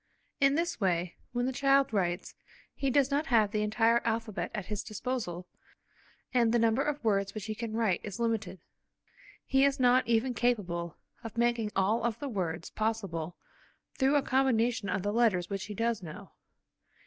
In this way, when the child writes he does not have the entire alphabet at his disposal, and the number of words which he can write is limited. He is not even capable of making all of the words possible through a combination of the letters which he does know.